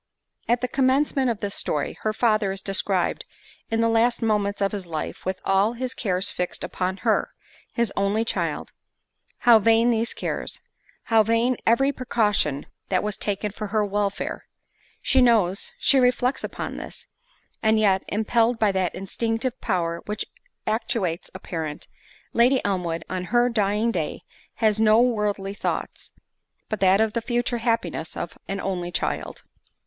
At the commencement of this story, her father is described in the last moments of his life, with all his cares fixed upon her, his only child—how vain these cares! how vain every precaution that was taken for her welfare! She knows, she reflects upon this; and yet, impelled by that instinctive power which actuates a parent, Lady Elmwood on her dying day has no worldly thoughts, but that of the future happiness of an only child.